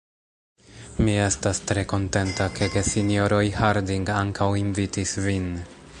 Mi estas tre kontenta, ke gesinjoroj Harding ankaŭ invitis vin.